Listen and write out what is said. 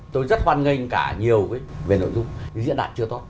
tôi rất hoan nghênh cả nhiều về nội dung cái diễn đạt chưa tốt